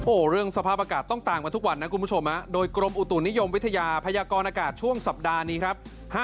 เรื่องสภาพอากาศต้องตามกันทุกวันนะคุณผู้ชมโดยกรมอุตุนิยมวิทยาพยากรอากาศช่วงสัปดาห์นี้ครับ